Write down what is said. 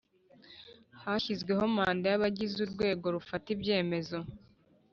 Hashyizweho manda y abagize urwego rufata ibyemezo